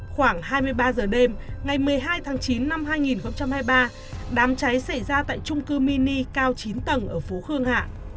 khoảng hai mươi ba giờ đêm ngày một mươi hai tháng chín năm hai nghìn hai mươi ba đám cháy xảy ra tại trung cư mini cao chín tầng ở phố khương hạ